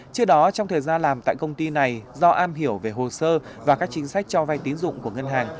trước đó trong thời gian làm tại công ty này do am hiểu về hồ sơ và các chính sách cho vay tín dụng của ngân hàng